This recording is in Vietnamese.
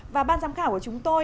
và ban giám khảo của chúng tôi